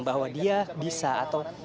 bahwa dia bisa atau